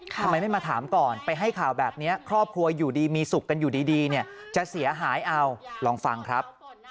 ทำไมไม่มาถามก่อนไปให้ข่าวแบบนี้ครอบครัวอยู่ดีมีสุขกันอยู่ดีเนี่ยจะเสียหายเอาลองฟังครับ